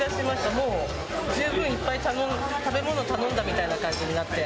もう十分いっぱい食べ物頼んだ感じになって。